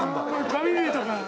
紙類とか。